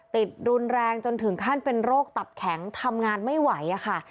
ติดรุนแรงจนถึงขั้นเป็นโรคตับแข็งทำงานไม่ไหวค่ะ